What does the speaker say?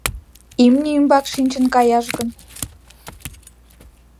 «Имне ӱмбак шинчын каяш гын?